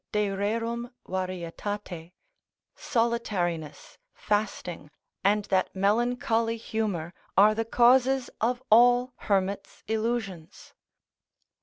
de rerum varietate, solitariness, fasting, and that melancholy humour, are the causes of all hermits' illusions.